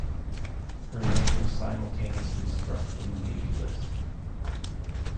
Her name was simultaneously struck from the Navy List.